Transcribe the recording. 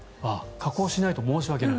加工しないと申し訳ない。